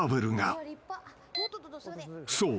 ［そう。